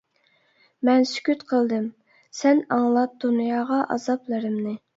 مەن سۈكۈت قىلدىم، سەن ئاڭلات دۇنياغا ئازابلىرىمنى.